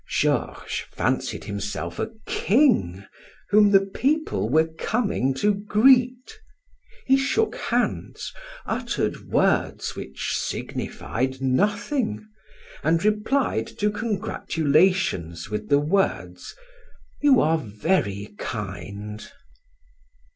Georges fancied himself a king whom the people were coming to greet. He shook hands, uttered words which signified nothing, and replied to congratulations with the words: "You are very kind."